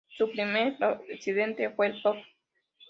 Su primer presidente fue el Prof.